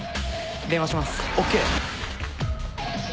電話します。ＯＫ。